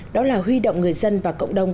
đó là huy động người dân và cộng đồng